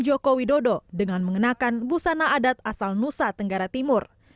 joko widodo dengan mengenakan busana adat asal nusa tenggara timur